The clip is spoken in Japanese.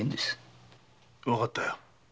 わかったよ。